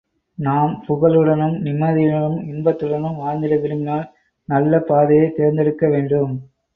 நாம் புகழுடனும் நிம்மதியுடனும், இன்பத்துடனும் வாழ்ந்திட விரும்பினால், நல்ல பாதையையே தேர்ந்தெடுக்க வேண்டும்.